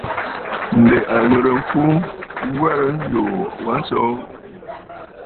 Ǹdè a ghɨrə mfu werə ndùuu wa nsoo.